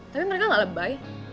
tapi mereka gak lebay